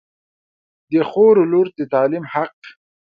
د خور و لور د تعلیم حق